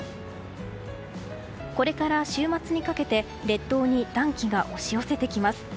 これから週末にかけて列島に暖気が押し寄せてきます。